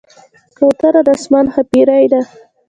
کوتره د آسمان ښاپېرۍ ده.